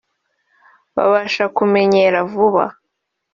babasha kumenyera vuba